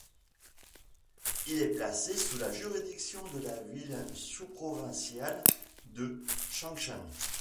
Il est placé sous la juridiction de la ville sous-provinciale de Changchun.